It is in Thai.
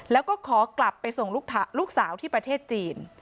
แล้วก็ขอกลับไปส่งลูกสาวที่ประเทศจีน